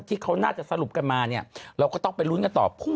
ที่เขาน่าจะสรุปกันมาเนี่ยเราก็ต้องไปลุ้นกันต่อ